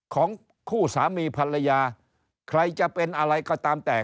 ของคู่สามีภรรยาใครจะเป็นอะไรก็ตามแต่